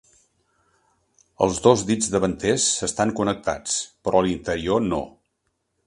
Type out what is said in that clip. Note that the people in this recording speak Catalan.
Els dos dits davanters estan connectats, però l'interior, no.